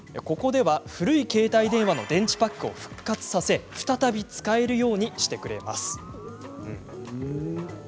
ここでは、古い携帯電話の電池パックを復活させ再び使えるようにしてくれます。